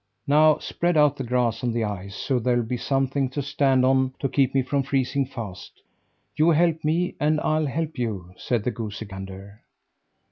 "Now spread out the grass on the ice, so there'll be something to stand on, to keep me from freezing fast. You help me and I'll help you," said the goosey gander.